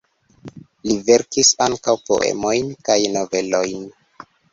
Li verkis ankaŭ poemojn kaj novelojn.